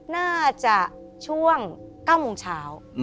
น่าจะช่วง๙โมงเช้า